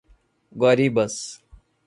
Guaribas